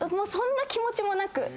そんな気持ちもなく。